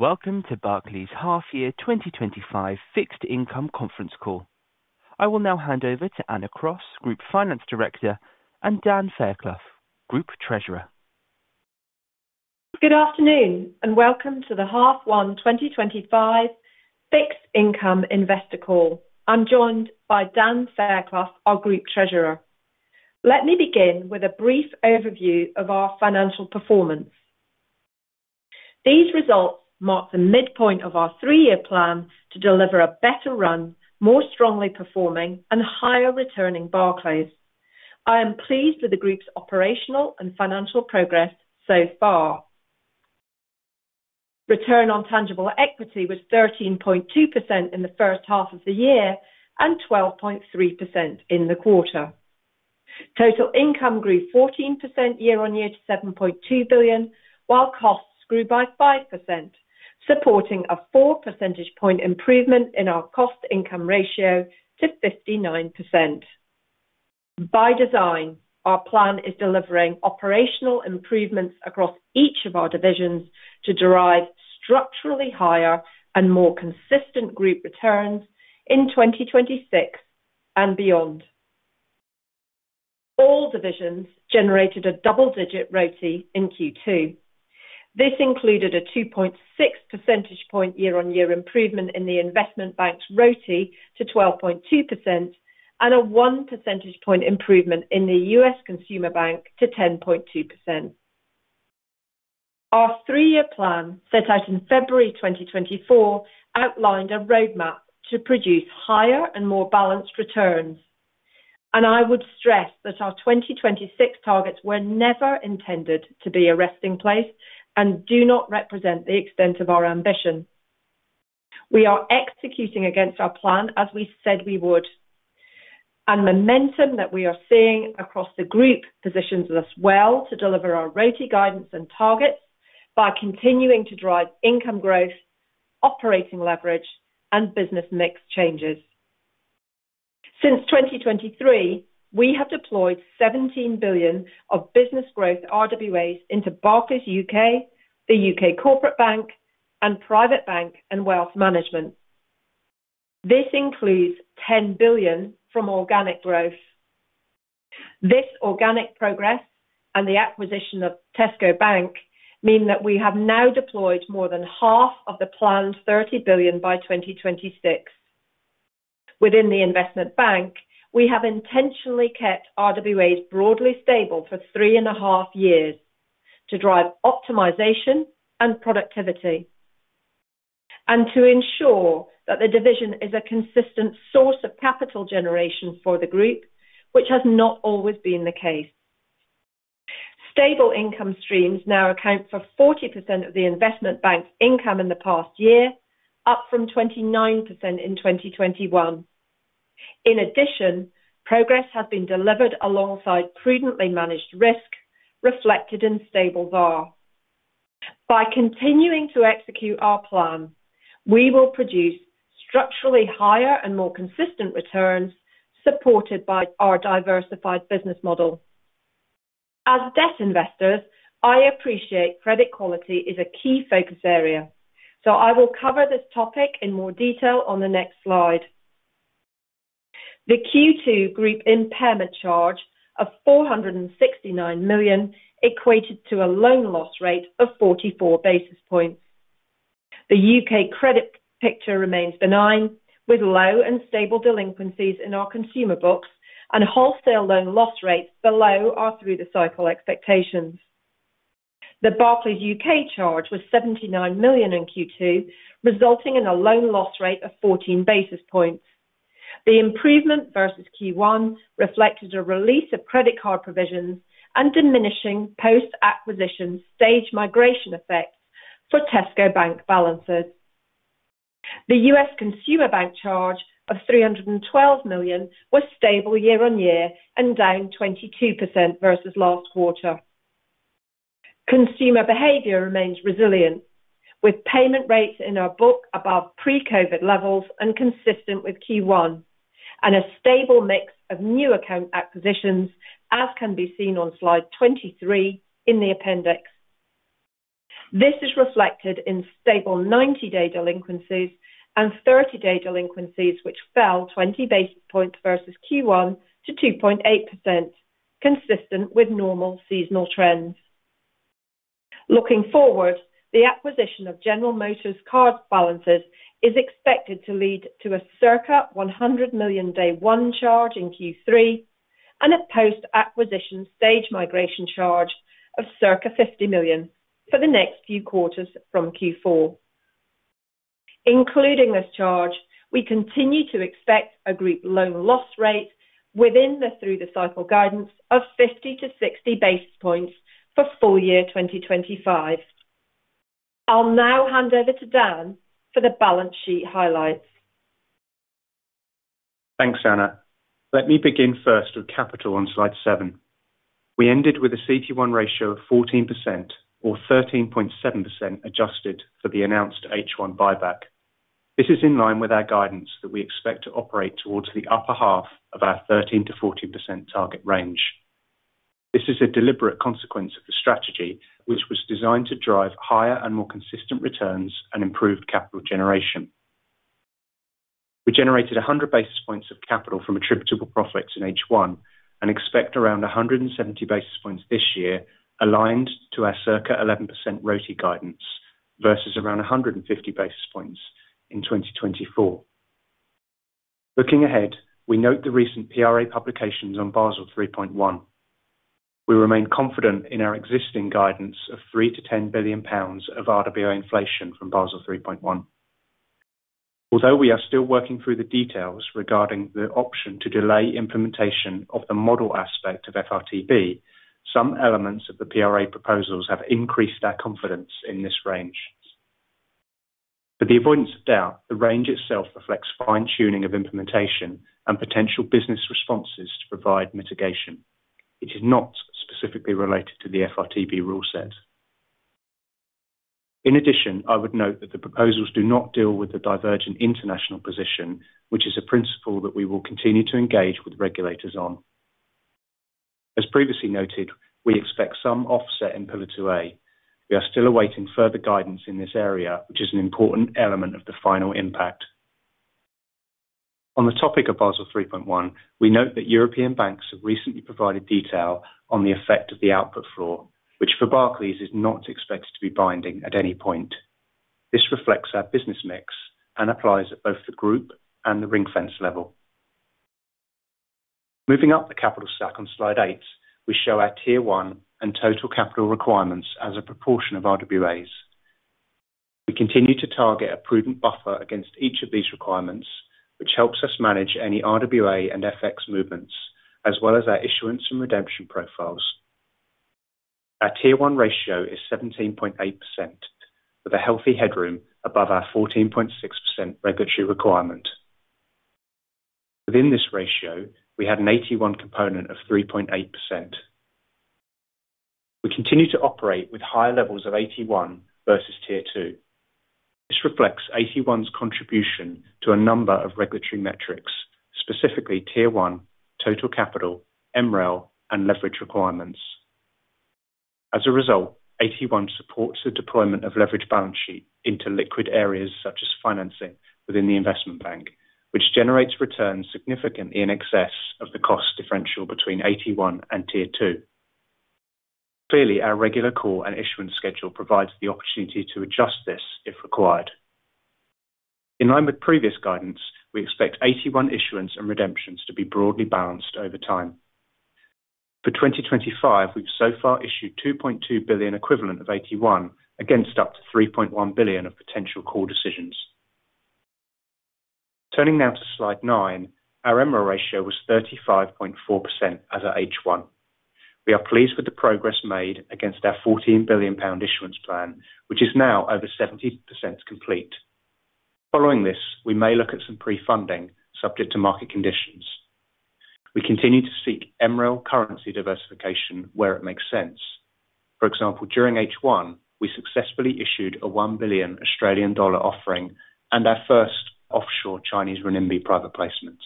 Welc, ervga8ome to Barclays Half-Year 2025 Fixed Income Conference Call. I will now hand over to Anna Cross, Group Finance Director, and Dan Fairclough, Group Treasurer. Good afternoon, and welcome to the Half-Year 2025 Fixed Income Investor Call. I'm joined by Dan Fairclough, our Group Treasurer. Let me begin with a brief overview of our financial performance. These results mark the midpoint of our three-year plan to deliver a better run, more strongly performing, and higher-returning Barclays. I am pleased with the Group's operational and financial progress so far. Return on tangible equity was 13.2% in the first half of the year and 12.3% in the quarter. Total income grew 14% year-on-year to $7.2 billion, while costs grew by 5%, supporting a 4 percentage point improvement in our cost-to-income ratio to 59%. By design, our plan is delivering operational improvements across each of our divisions to derive structurally higher and more consistent group returns in 2026 and beyond. All divisions generated a double-digit RoTE in Q2. This included a 2.6% point year-on-year improvement in the Investment Bank's RoTE to 12.2% and a 1 percentage point improvement in the U.S. Consumer Bank to 10.2%. Our three-year plan set out in February 2024 outlined a roadmap to produce higher and more balanced returns. I would stress that our 2026 targets were never intended to be a resting place and do not represent the extent of our ambition. We are executing against our plan as we said we would. The momentum that we are seeing across the Group positions us well to deliver our RoTE guidance and targets by continuing to drive income growth, operating leverage, and business mix changes. Since 2023, we have deployed $17 billion of business growth RWAs into Barclays UK, the UK Corporate Bank, and Private Bank and Wealth Management. This includes $10 billion from organic growth. This organic progress and the acquisition of Tesco Bank mean that we have now deployed more than half of the planned $30 billion by 2026. Within the Investment Bank, we have intentionally kept RWAs broadly stable for three-and-a-half-years to drive optimization and productivity. To ensure that the division is a consistent source of capital generation for the Group, which has not always been the case. Stable income streams now account for 40% of the Investment Bank's income in the past year, up from 29% in 2021. In addition, progress has been delivered alongside prudently managed risk reflected in stable VAR. By continuing to execute our plan, we will produce structurally higher and more consistent returns supported by our diversified business model. As debt investors, I appreciate credit quality is a key focus area, so I will cover this topic in more detail on the next slide. The Q2 Group impairment charge of $469 million equated to a loan loss rate of 44 basis points. The U.K. credit picture remains benign, with low and stable delinquencies in our consumer books, and wholesale loan loss rates below or through the cycle expectations. The Barclays UK charge was $79 million in Q2, resulting in a loan loss rate of 14 basis points. The improvement versus Q1 reflected a release of credit card provisions and diminishing post-acquisition stage migration effects for Tesco Bank balances. The U.S. Consumer Bank charge of $312 million was stable year-on-year and down 22% versus last quarter. Consumer behavior remains resilient, with payment rates in our book above pre-COVID levels and consistent with Q1, and a stable mix of new account acquisitions, as can be seen on slide 23 in the appendix. This is reflected in stable 90-day delinquencies and 30-day delinquencies, which fell 20 basis points versus Q1 to 2.8%, consistent with normal seasonal trends. Looking forward, the acquisition of General Motors' card balances is expected to lead to a circa $100 million day-one charge in Q3 and a post-acquisition stage migration charge of circa $50 million for the next few quarters from Q4. Including this charge, we continue to expect a group loan loss rate within the through-the-cycle guidance of 50-60 basis points for full year 2025. I'll now hand over to Dan for the balance sheet highlights. Thanks, Anna. Let me begin first with capital on slide seven. We ended with a CET1 ratio of 14%, or 13.7% adjusted for the announced H1 buyback. This is in line with our guidance that we expect to operate towards the upper half of our 13%-14% target range. This is a deliberate consequence of the strategy, which was designed to drive higher and more consistent returns and improved capital generation. We generated 100 basis points of capital from attributable profits in H1 and expect around 170 basis points this year, aligned to our circa 11% RoTE guidance versus around 150 basis points in 2024. Looking ahead, we note the recent PRA publications on Basel 3.1. We remain confident in our existing guidance of 3-10 billion pounds of RWA inflation from Basel 3.1. Although we are still working through the details regarding the option to delay implementation of the model aspect of FRTB, some elements of the PRA proposals have increased our confidence in this range. For the avoidance of doubt, the range itself reflects fine-tuning of implementation and potential business responses to provide mitigation. It is not specifically related to the FRTB rule set. In addition, I would note that the proposals do not deal with the divergent international position, which is a principle that we will continue to engage with regulators on. As previously noted, we expect some offset in Pillar 2A. We are still awaiting further guidance in this area, which is an important element of the final impact. On the topic of Basel 3.1, we note that European banks have recently provided detail on the effect of the output floor, which for Barclays is not expected to be binding at any point. This reflects our business mix and applies at both the Group and the Ring Fence level. Moving up the capital stack on slide eight, we show our Tier 1 and total capital requirements as a proportion of RWAs. We continue to target a prudent buffer against each of these requirements, which helps us manage any RWA and FX movements, as well as our issuance and redemption profiles. Our Tier 1 ratio is 17.8%, with a healthy headroom above our 14.6% regulatory requirement. Within this ratio, we had an AT1 component of 3.8%. We continue to operate with higher levels of AT1 versus tier two. This reflects AT1's contribution to a number of regulatory metrics, specifically Tier 1, total capital, MREL, and leverage requirements. As a result, AT1 supports the deployment of leverage balance sheet into liquid areas such as financing within the Investment Bank, which generates returns significantly in excess of the cost differential between AT1 and tier two. Clearly, our regular core and issuance schedule provides the opportunity to adjust this if required. In line with previous guidance, we expect AT1 issuance and redemptions to be broadly balanced over time. For 2025, we've so far issued $2.2 billion equivalent of AT1 against up to $3.1 billion of potential core decisions. Turning now to slide nine, our MREL ratio was 35.4% as at H1. We are pleased with the progress made against our 14 billion pound issuance plan, which is now over 70% complete. Following this, we may look at some pre-funding subject to market conditions. We continue to seek MREL currency diversification where it makes sense. For example, during H1, we successfully issued an 1 billion Australian dollar offering and our first offshore Chinese Renminbi private placement.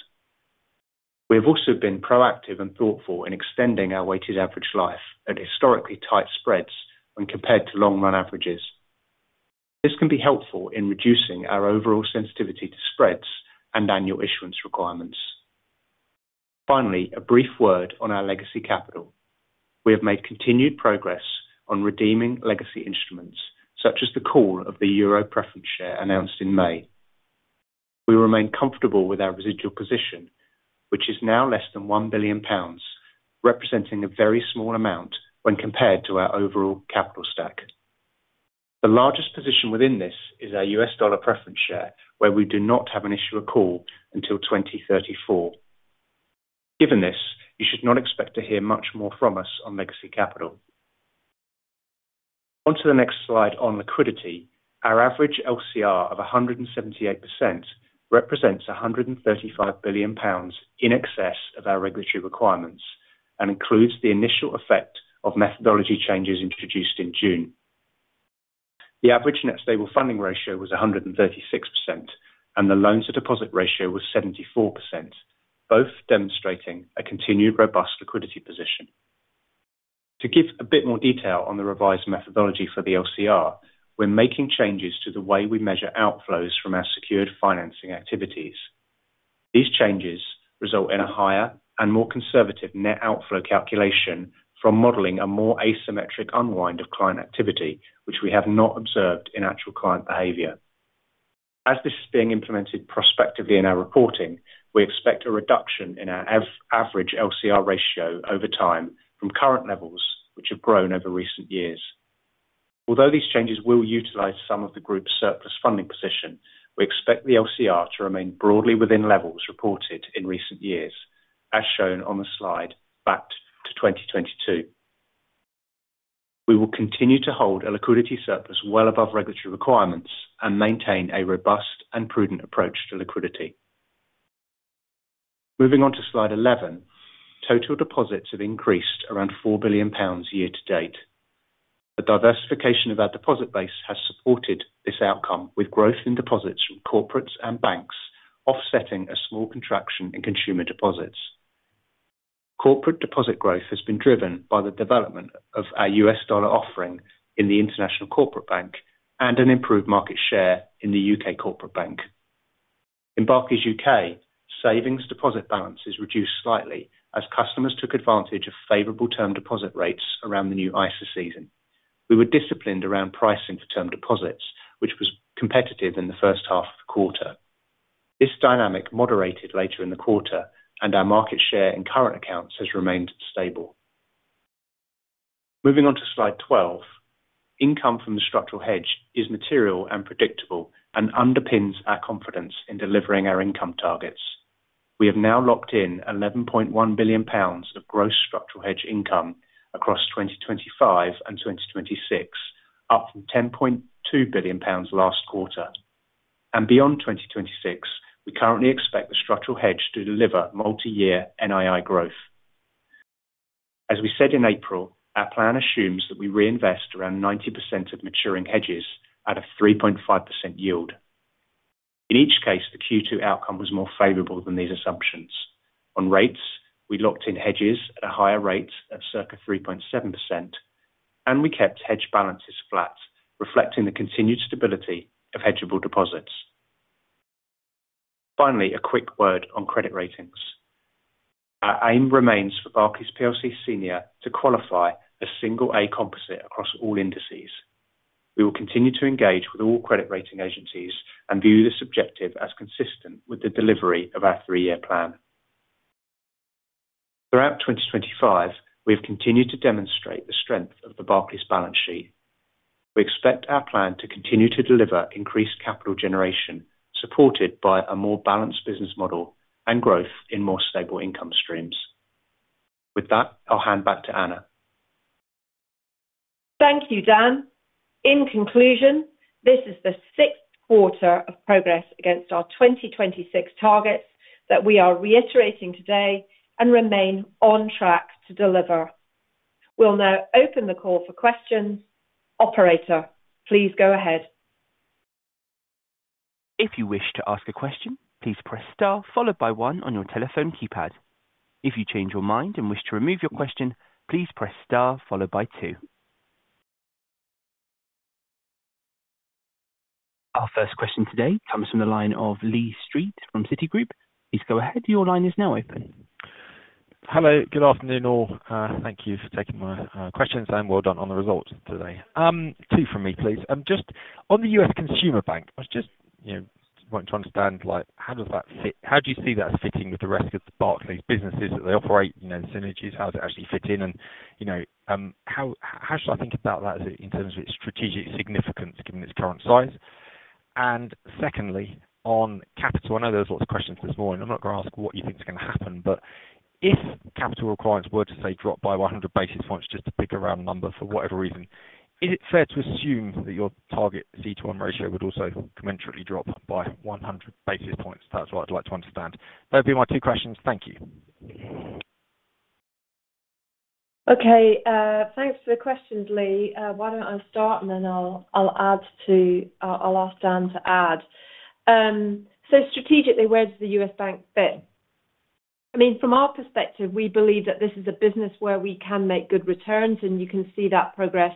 We have also been proactive and thoughtful in extending our weighted average life at historically tight spreads when compared to long-run averages. This can be helpful in reducing our overall sensitivity to spreads and annual issuance requirements. Finally, a brief word on our legacy capital. We have made continued progress on redeeming legacy instruments, such as the call of the Euro preference share announced in May. We remain comfortable with our residual position, which is now less than 1 billion pounds, representing a very small amount when compared to our overall capital stack. The largest position within this is our U.S. dollar preference share, where we do not have an issuer call until 2034. Given this, you should not expect to hear much more from us on legacy capital. Onto the next slide on liquidity. Our average LCR of 178% represents 135 billion pounds in excess of our regulatory requirements and includes the initial effect of methodology changes introduced in June. The average net stable funding ratio was 136%, and the loans to deposit ratio was 74%, both demonstrating a continued robust liquidity position. To give a bit more detail on the revised methodology for the LCR, we're making changes to the way we measure outflows from our secured financing activities. These changes result in a higher and more conservative net outflow calculation from modeling a more asymmetric unwind of client activity, which we have not observed in actual client behavior. As this is being implemented prospectively in our reporting, we expect a reduction in our average LCR ratio over time from current levels, which have grown over recent years. Although these changes will utilize some of the Group's surplus funding position, we expect the LCR to remain broadly within levels reported in recent years, as shown on the slide back to 2022. We will continue to hold a liquidity surplus well above regulatory requirements and maintain a robust and prudent approach to liquidity. Moving on to slide 11, total deposits have increased around 4 billion pounds year to date. The diversification of our deposit base has supported this outcome, with growth in deposits from corporates and banks offsetting a small contraction in consumer deposits. Corporate deposit growth has been driven by the development of our U.S. dollar offering in the International Corporate Bank and an improved market share in the U.K. Corporate Bank. In Barclays UK, savings deposit balances reduced slightly as customers took advantage of favorable term deposit rates around the new ISA season. We were disciplined around pricing for term deposits, which was competitive in the first half of the quarter. This dynamic moderated later in the quarter, and our market share in current accounts has remained stable. Moving on to slide 12, income from the structural hedge is material and predictable and underpins our confidence in delivering our income targets. We have now locked in 11.1 billion pounds of gross structural hedge income across 2025 and 2026, up from 10.2 billion pounds last quarter. Beyond 2026, we currently expect the structural hedge to deliver multi-year NII growth. As we said in April, our plan assumes that we reinvest around 90% of maturing hedges at a 3.5% yield. In each case, the Q2 outcome was more favorable than these assumptions. On rates, we locked in hedges at a higher rate of circa 3.7%, and we kept hedge balances flat, reflecting the continued stability of hedgeable deposits. Finally, a quick word on credit ratings. Our aim remains for Barclays PLC Senior to qualify a single-A composite across all indices. We will continue to engage with all credit rating agencies and view this objective as consistent with the delivery of our three-year plan. Throughout 2025, we have continued to demonstrate the strength of the Barclays balance sheet. We expect our plan to continue to deliver increased capital generation supported by a more balanced business model and growth in more stable income streams. With that, I'll hand back to Anna. Thank you, Dan. In conclusion, this is the sixth quarter of progress against our 2026 targets that we are reiterating today and remain on track to deliver. We'll now open the call for questions. Operator, please go ahead. If you wish to ask a question, please press star followed by one on your telephone keypad. If you change your mind and wish to remove your question, please press star followed by two. Our first question today comes from the line of Lee Street from Citigroup. Please go ahead. Your line is now open. Hello. Good afternoon all. Thank you for taking my questions and well done on the results today. Two from me, please. Just on the U.S. Consumer Bank, I was just wanting to understand how does that fit? How do you see that as fitting with the rest of Barclays' businesses that they operate, the synergies? How does it actually fit in? How should I think about that in terms of its strategic significance given its current size? Secondly, on capital, I know there were lots of questions this morning. I'm not going to ask what you think is going to happen, but if capital requirements were to, say, drop by 100 basis points, just to pick a round number for whatever reason, is it fair to assume that your target CET1 ratio would also commensurately drop by 100 basis points? That's what I'd like to understand. That would be my two questions. Thank you. Okay. Thanks for the questions, Lee. Why don't I start, and then I'll ask Dan to add. Strategically, where does the U.S. Bank fit? I mean, from our perspective, we believe that this is a business where we can make good returns, and you can see that progress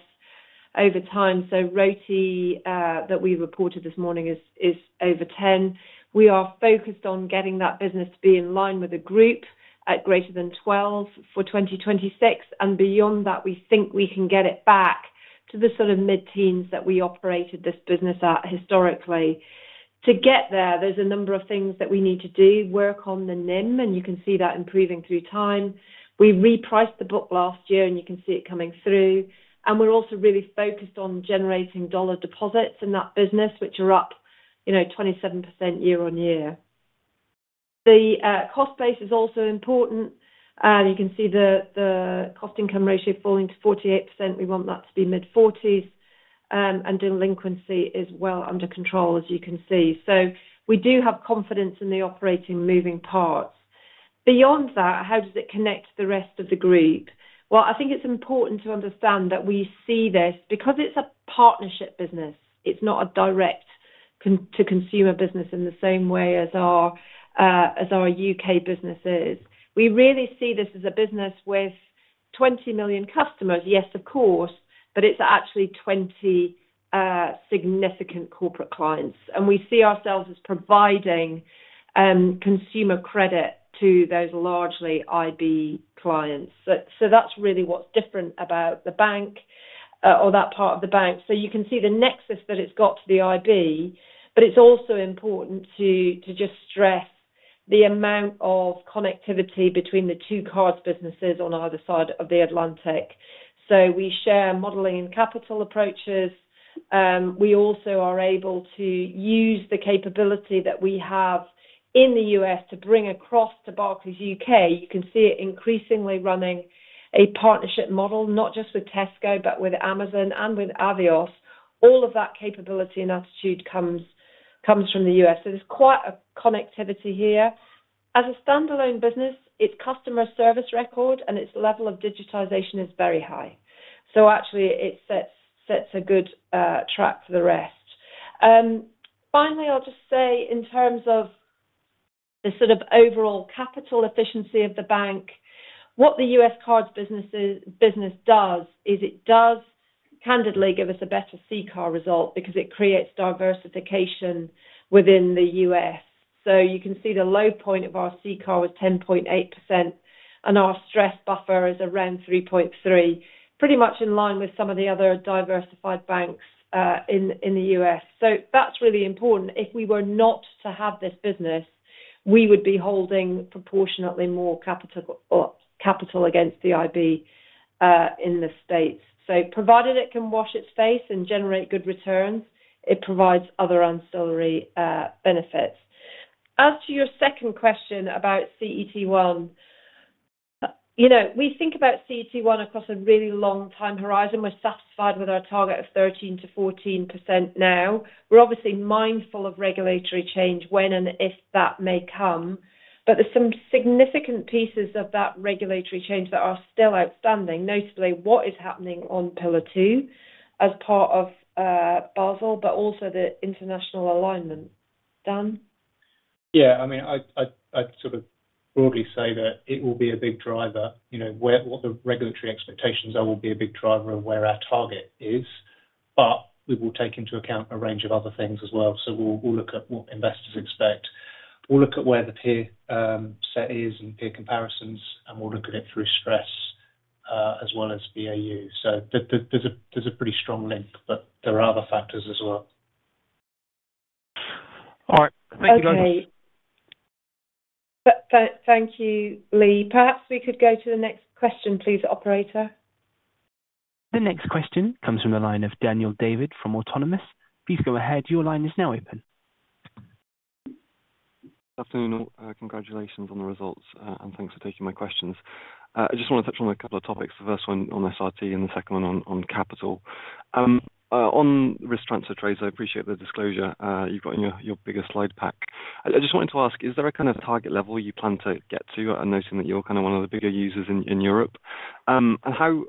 over time. So RoTE that we reported this morning is over 10%. We are focused on getting that business to be in line with the Group at greater than 12% for 2026. Beyond that, we think we can get it back to the sort of mid-teens that we operated this business at historically. To get there, there's a number of things that we need to do, work on the NIM, and you can see that improving through time. We repriced the book last year, and you can see it coming through. We're also really focused on generating dollar deposits in that business, which are up 27% year-on-year. The cost base is also important. You can see the cost-to-income ratio falling to 48%. We want that to be mid-40s. Delinquency is well under control, as you can see. We do have confidence in the operating moving parts. Beyond that, how does it connect to the rest of the Group? I think it's important to understand that we see this because it's a partnership business. It's not a direct-to-consumer business in the same way as our UK business is. We really see this as a business with 20 million customers. Yes, of course, but it's actually 20 significant corporate clients. We see ourselves as providing consumer credit to those largely IB clients. That's really what's different about the bank, or that part of the bank. You can see the nexus that it's got to the IB, but it's also important to just stress the amount of connectivity between the two cards businesses on either side of the Atlantic. We share modeling and capital approaches. We also are able to use the capability that we have in the U.S. to bring across to Barclays UK. You can see it increasingly running a partnership model, not just with Tesco, but with Amazon and with Avios. All of that capability and attitude comes from the U.S.. There's quite a connectivity here. As a standalone business, its customer service record and its level of digitization is very high. Actually, it sets a good track for the rest. Finally, I'll just say in terms of the sort of overall capital efficiency of the bank, what the U.S. cards business does is it does candidly give us a better CCAR result because it creates diversification within the U.S.. You can see the low point of our CCAR was 10.8%, and our stress buffer is around 3.3%, pretty much in line with some of the other diversified banks in the U.S. That is really important. If we were not to have this business, we would be holding proportionately more capital against the IB in the States. Provided it can wash its face and generate good returns, it provides other ancillary benefits. As to your second question about CET1, we think about CET1 across a really long time horizon. We are satisfied with our target of 13%-14% now. We are obviously mindful of regulatory change when and if that may come, but there are some significant pieces of that regulatory change that are still outstanding, notably what is happening on Pillar 2 as part of Basel, but also the international alignment. Dan? Yeah. I mean, I'd sort of broadly say that it will be a big driver. What the regulatory expectations are will be a big driver of where our target is, but we will take into account a range of other things as well. We'll look at what investors expect. We'll look at where the peer set is and peer comparisons, and we'll look at it through stress. As well as BAU. There is a pretty strong link, but there are other factors as well. All right. Okay. Thank you, Lee. Perhaps we could go to the next question, please, Operator. The next question comes from the line of Daniel David from Autonomous. Please go ahead. Your line is now open. Good afternoon. Congratulations on the results, and thanks for taking my questions. I just want to touch on a couple of topics. The first one on SRT and the second one on capital. On risk transfer trades, I appreciate the disclosure you have got in your bigger slide pack. I just wanted to ask, is there a kind of target level you plan to get to, noting that you are kind of one of the bigger users in Europe? And how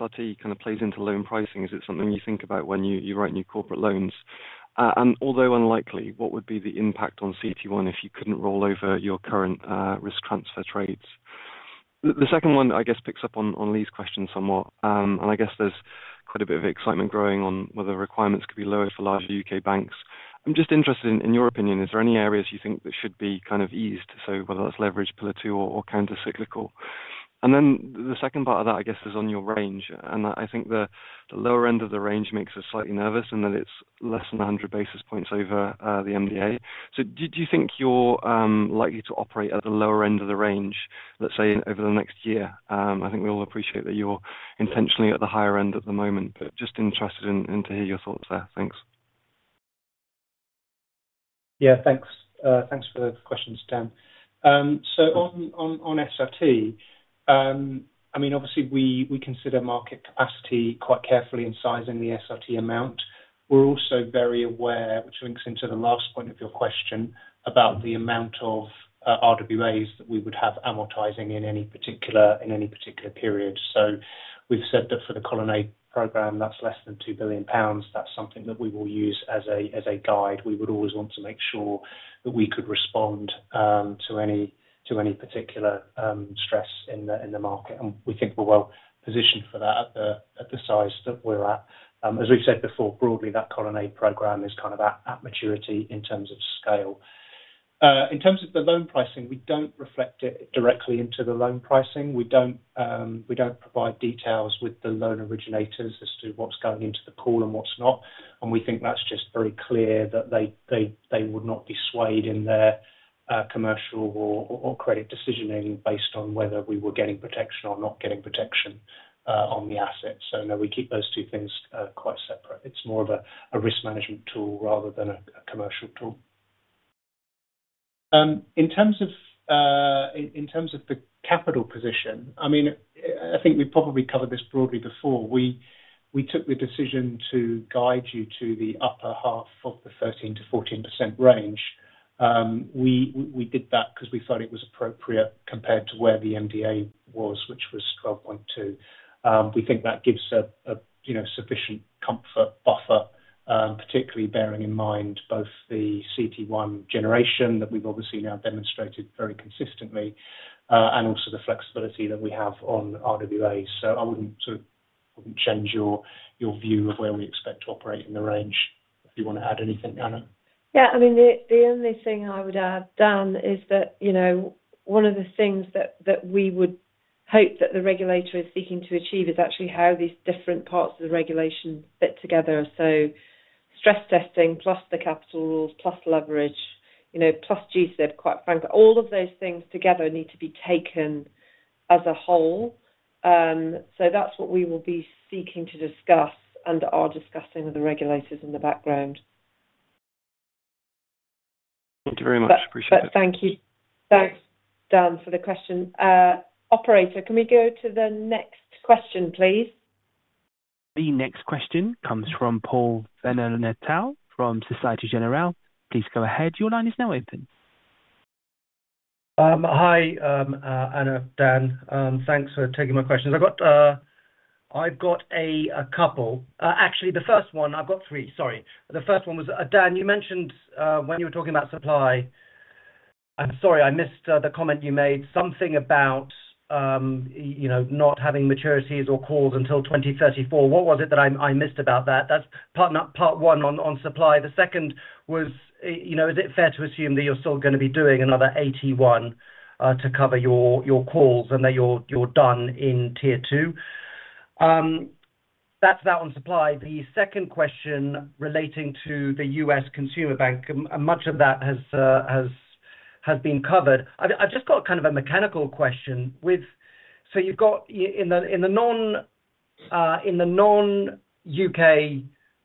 SRT kind of plays into loan pricing? Is it something you think about when you write new corporate loans? And although unlikely, what would be the impact on CET1 if you could not roll over your current risk transfer trades? The second one, I guess, picks up on Lee's question somewhat. I guess there is quite a bit of excitement growing on whether requirements could be lower for larger U.K. banks. I am just interested in your opinion. Is there any areas you think that should be kind of eased? So whether that is leverage, Pillar 2A, or countercyclical? And then the second part of that, I guess, is on your range. I think the lower end of the range makes us slightly nervous in that it is less than 100 basis points over the MDA. Do you think you are likely to operate at the lower end of the range, let's say, over the next year? I think we all appreciate that you are intentionally at the higher end at the moment, but just interested in hearing your thoughts there. Thanks. Yeah. Thanks for the questions, Dan. On SRT, obviously, we consider market capacity quite carefully in sizing the SRT amount. We're also very aware, which links into the last point of your question, about the amount of RWAs that we would have amortizing in any particular period. We've said that for the Colonnade program, that's less than 2 billion pounds. That's something that we will use as a guide. We would always want to make sure that we could respond to any particular stress in the market. We think we're well positioned for that at the size that we're at. As we've said before, broadly, that Colonnade program is kind of at maturity in terms of scale. In terms of the loan pricing, we don't reflect it directly into the loan pricing. We don't provide details with the loan originators as to what's going into the pool and what's not. We think that's just very clear that they would not be swayed in their commercial or credit decisioning based on whether we were getting protection or not getting protection on the assets. No, we keep those two things quite separate. It's more of a risk management tool rather than a commercial tool. In terms of the capital position, I think we've probably covered this broadly before. We took the decision to guide you to the upper half of the 13%-14% range. We did that because we thought it was appropriate compared to where the MDA was, which was 12.2%. We think that gives a sufficient comfort buffer, particularly bearing in mind both the CET1 generation that we've obviously now demonstrated very consistently and also the flexibility that we have on RWAs. I wouldn't sort of change your view of where we expect to operate in the range. If you want to add anything, Anna. Yeah. I mean, the only thing I would add, Dan, is that one of the things that we would hope that the regulator is seeking to achieve is actually how these different parts of the regulation fit together. Stress testing plus the capital rules plus leverage plus GSIB, quite frankly, all of those things together need to be taken as a whole. That is what we will be seeking to discuss and are discussing with the regulators in the background. Thank you very much. Appreciate it. Thank you. Thanks, Dan, for the question. Operator, can we go to the next question, please? The next question comes from Paul van Nierop from Société Générale. Please go ahead. Your line is now open. Hi, Anna, Dan. Thanks for taking my questions. I've got a couple. Actually, the first one, I've got three, sorry. The first one was Dan, you mentioned when you were talking about supply. I'm sorry, I missed the comment you made, something about not having maturities or calls until 2034. What was it that I missed about that? That's part one on supply. The second was, is it fair to assume that you're still going to be doing another AT1 to cover your calls and that you're done in tier two? That's that on supply. The second question relating to the U.S. Consumer Bank, much of that has been covered. I've just got kind of a mechanical question. So you've got in the non-UK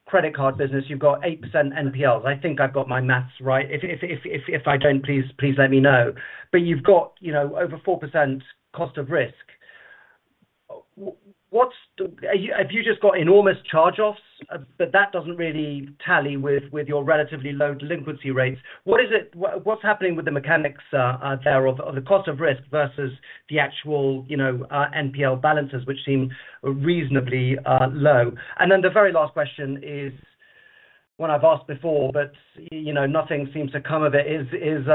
credit card business, you've got 8% NPLs. I think I've got my maths right. If I don't, please let me know. But you've got over 4% cost of risk. Have you just got enormous charge-offs? That doesn't really tally with your relatively low delinquency rates. What's happening with the mechanics there of the cost of risk versus the actual NPL balances, which seem reasonably low? And then the very last question is one I've asked before, but nothing seems to come of it, is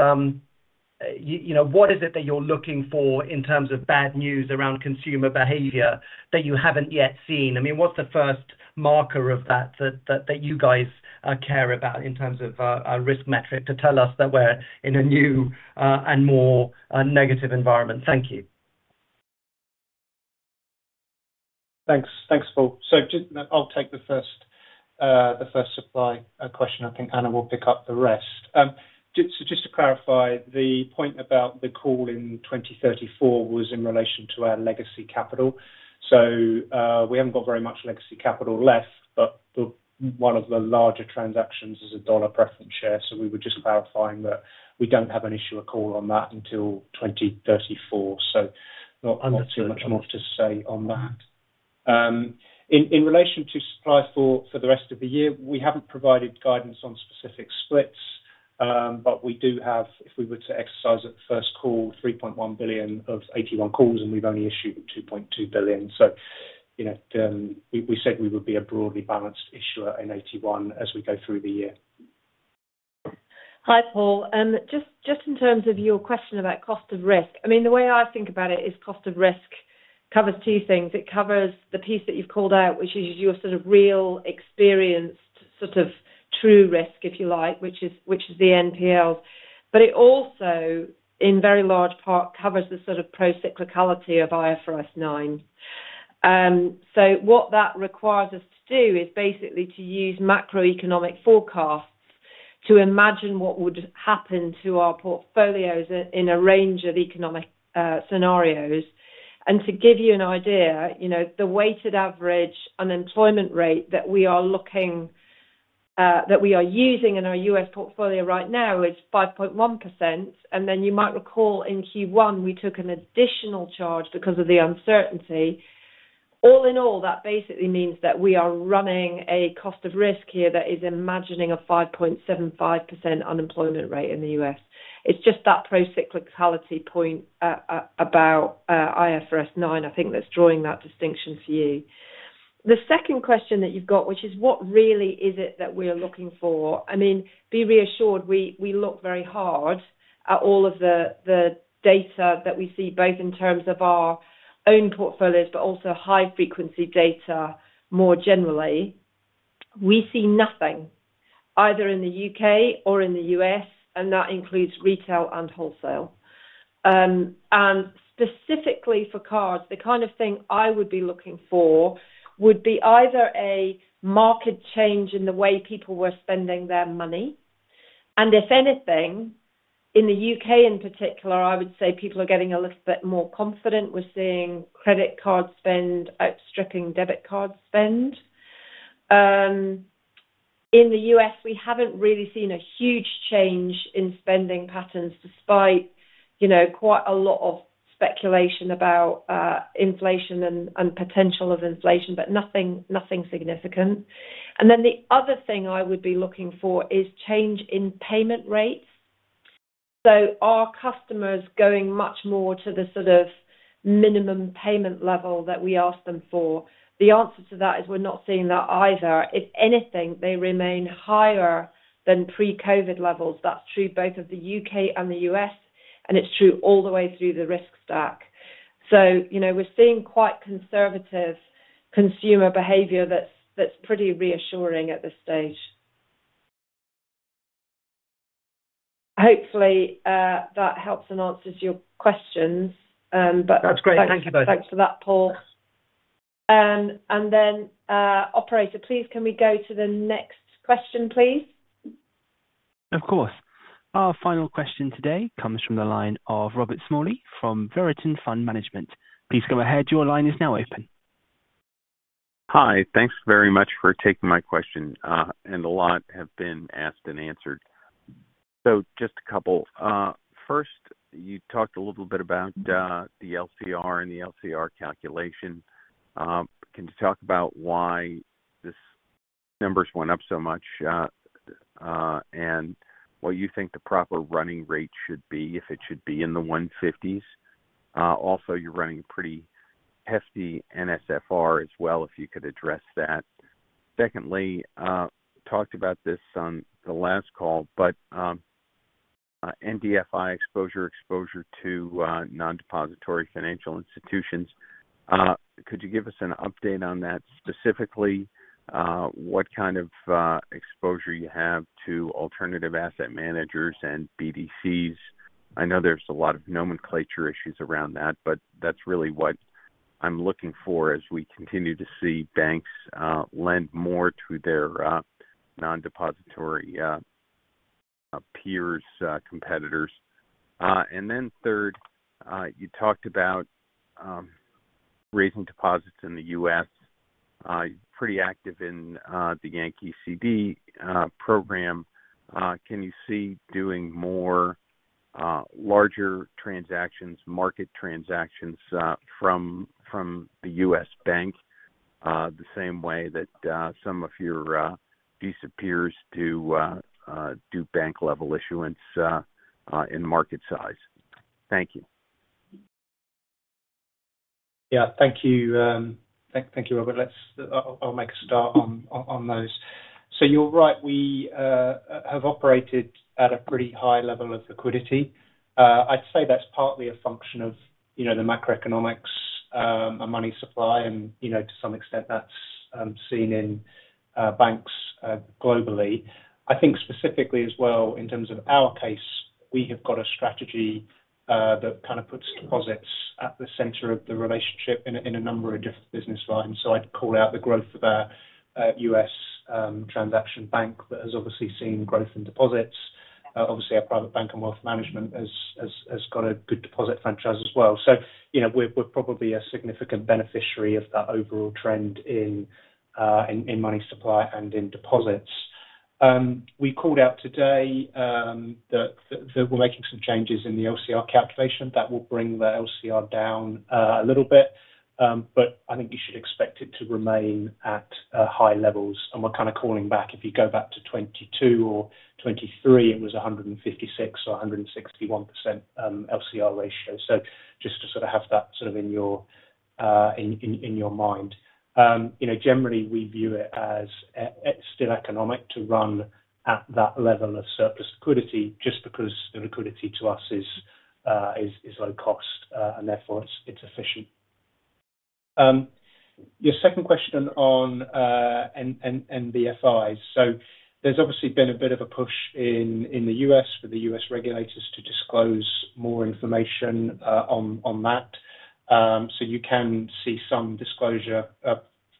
what is it that you're looking for in terms of bad news around consumer behavior that you haven't yet seen? I mean, what's the first marker of that that you guys care about in terms of a risk metric to tell us that we're in a new and more negative environment? Thank you. Thanks, Paul. I'll take the first supply question. I think Anna will pick up the rest. Just to clarify, the point about the call in 2034 was in relation to our legacy capital. We haven't got very much legacy capital left, but one of the larger transactions is a dollar preference share. We were just clarifying that we don't have an issue at all on that until 2034. Not too much more to say on that. In relation to supply for the rest of the year, we haven't provided guidance on specific splits, but we do have, if we were to exercise at the first call, $3.1 billion of AT1 calls, and we've only issued $2.2 billion. We said we would be a broadly balanced issuer in AT1 as we go through the year. Hi, Paul. Just in terms of your question about cost of risk, I mean, the way I think about it is cost of risk covers two things. It covers the piece that you've called out, which is your sort of real experienced sort of true risk, if you like, which is the NPLs. It also, in very large part, covers the sort of procyclicality of IFRS 9. What that requires us to do is basically to use macroeconomic forecasts to imagine what would happen to our portfolios in a range of economic scenarios. To give you an idea, the weighted average unemployment rate that we are using in our U.S. portfolio right now is 5.1%. You might recall in Q1, we took an additional charge because of the uncertainty. All in all, that basically means that we are running a cost of risk here that is imagining a 5.75% unemployment rate in the U.S. It is just that procyclicality point. About IFRS 9, I think that is drawing that distinction for you. The second question that you've got, which is what really is it that we are looking for? I mean, be reassured, we look very hard at all of the data that we see, both in terms of our own portfolios, but also high-frequency data more generally. We see nothing either in the U.K. or in the U.S., and that includes retail and wholesale. Specifically for cards, the kind of thing I would be looking for would be either a marked change in the way people were spending their money. If anything, in the U.K. in particular, I would say people are getting a little bit more confident. We are seeing credit card spend outstripping debit card spend. In the U.S., we have not really seen a huge change in spending patterns despite quite a lot of speculation about inflation and potential of inflation, but nothing significant. The other thing I would be looking for is change in payment rates. Are customers going much more to the sort of minimum payment level that we ask them for? The answer to that is we are not seeing that either. If anything, they remain higher than pre-COVID levels. That is true both of the U.K. and the U.S., and it is true all the way through the risk stack. We are seeing quite conservative consumer behavior that is pretty reassuring at this stage. Hopefully, that helps and answers your questions. That's great. Thanks for that, Paul. Operator, please, can we go to the next question, please? Of course. Our final question today comes from the line of Robert Smalley from Verition Fund Management. Please go ahead. Your line is now open. Hi. Thanks very much for taking my question. A lot have been asked and answered. Just a couple. First, you talked a little bit about the LCR and the LCR calculation. Can you talk about why these numbers went up so much, and what you think the proper running rate should be, if it should be in the 150s? Also, you're running a pretty hefty NSFR as well, if you could address that. Secondly, talked about this on the last call, but NBFI exposure, exposure to non-depository financial institutions. Could you give us an update on that specifically? What kind of exposure you have to alternative asset managers and BDCs? I know there's a lot of nomenclature issues around that, but that's really what I'm looking for as we continue to see banks lend more to their non-depository peers, competitors. Third, you talked about raising deposits in the U.S., pretty active in the Yankee CD program. Can you see doing more, larger transactions, market transactions from the U.S. bank, the same way that some of your BCPers do, bank-level issuance in market size? Thank you. Yeah. Thank you. Thank you, Robert. I'll make a start on those. You're right. We have operated at a pretty high level of liquidity. I'd say that's partly a function of the macroeconomics and money supply. To some extent, that's seen in banks globally. I think specifically as well, in terms of our case, we have got a strategy that kind of puts deposits at the center of the relationship in a number of different business lines. I'd call out the growth of our U.S. transaction bank that has obviously seen growth in deposits. Obviously, our private bank and wealth management has got a good deposit franchise as well. We're probably a significant beneficiary of that overall trend in money supply and in deposits. We called out today that we're making some changes in the LCR calculation that will bring the LCR down a little bit. I think you should expect it to remain at high levels. We're kind of calling back, if you go back to '22 or '23, it was 156% or 161% LCR ratio. Just to sort of have that in your mind. Generally, we view it as still economic to run at that level of surplus liquidity just because the liquidity to us is low cost, and therefore it's efficient. Your second question on NBFIs. There's obviously been a bit of a push in the U.S. for the U.S. regulators to disclose more information on that. You can see some disclosure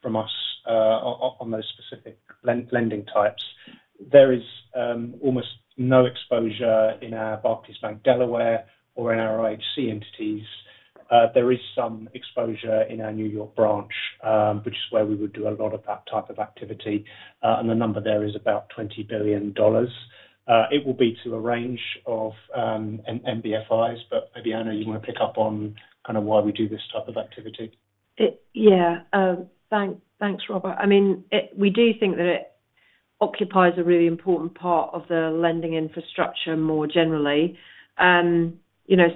from us on those specific lending types. There is almost no exposure in our Barclays Bank Delaware or in our IHC entities. There is some exposure in our New York branch, which is where we would do a lot of that type of activity. The number there is about $20 billion. It will be to a range of NBFIs. Maybe, Anna, you want to pick up on why we do this type of activity? Yeah. Thanks, Robert. I mean, we do think that it occupies a really important part of the lending infrastructure more generally.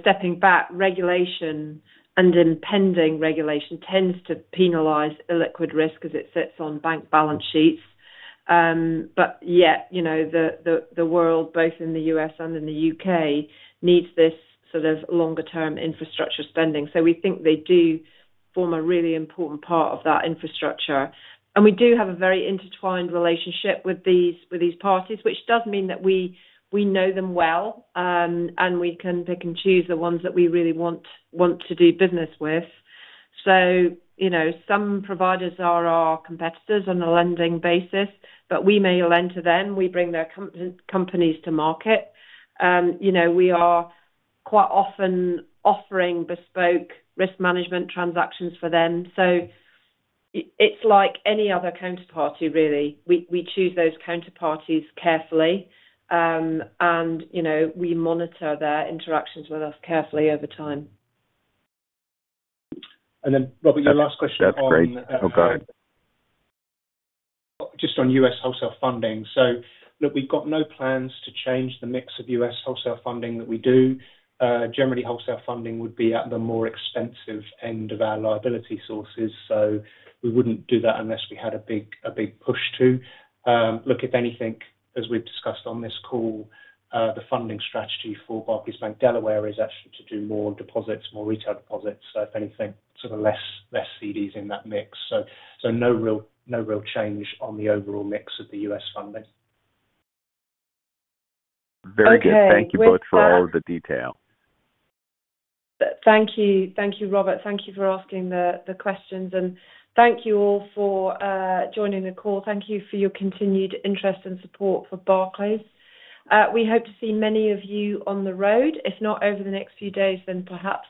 Stepping back, regulation and impending regulation tends to penalize illiquid risk as it sits on bank balance sheets. Yet, the world, both in the U.S. and in the U.K., needs this sort of longer-term infrastructure spending. We think they do form a really important part of that infrastructure. We do have a very intertwined relationship with these parties, which does mean that we know them well. We can pick and choose the ones that we really want to do business with. Some providers are our competitors on a lending basis, but we may lend to them. We bring their companies to market. We are quite often offering bespoke risk management transactions for them. It is like any other counterparty, really. We choose those counterparties carefully. We monitor their interactions with us carefully over time. Robert, your last question on. That's great. Oh, go ahead. Just on U.S. wholesale funding. Look, we've got no plans to change the mix of U.S. wholesale funding that we do. Generally, wholesale funding would be at the more expensive end of our liability sources. We wouldn't do that unless we had a big push to. If anything, as we've discussed on this call, the funding strategy for Barclays Bank Delaware is actually to do more deposits, more retail deposits. If anything, sort of less CDs in that mix. No real change on the overall mix of the U.S. funding. Very good. Thank you both for all the detail. Thank you. Thank you, Robert. Thank you for asking the questions. Thank you all for joining the call. Thank you for your continued interest and support for Barclays. We hope to see many of you on the road. If not over the next few days, then perhaps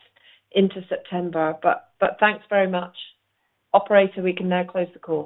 into September. Thanks very much. Operator, we can now close the call.